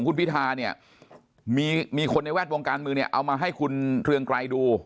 คุณพิธาเนี่ยมีคนในแวดวงการเมืองเนี่ยเอามาให้คุณเรืองไกรดู